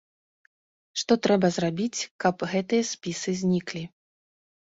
Што трэба зрабіць, каб гэтыя спісы зніклі?